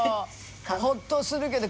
ホッとするけど。